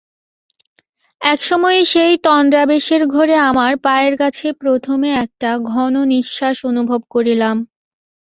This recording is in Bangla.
এক সময়ে সেই তন্দ্রাবেশের ঘোরে আমার পায়ের কাছে প্রথমে একটা ঘন নিশ্বাস অনুভব করিলাম।